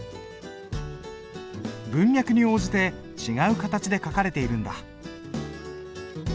文脈に応じて違う形で書かれているんだ。